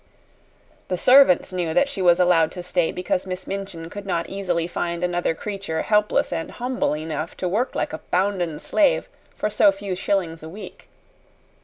The servants knew that she was allowed to stay because Miss Minchin could not easily find another creature helpless and humble enough to work like a bounden slave for so few shillings a week.